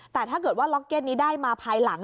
แต่ถ้าเกิดว่าล็อกเก็ตนี้ได้มาภายหลัง